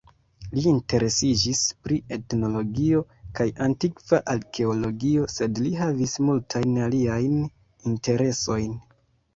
Li interesiĝis pri etnologio kaj antikva arkeologio, sed li havis multajn aliajn interesojn.